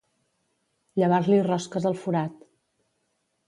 Llevar-li rosques al forat.